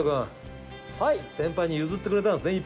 先輩に譲ってくれたんですね